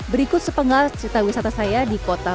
berikut sepenggal cerita wisata saya di kota batu